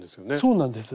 そうなんです。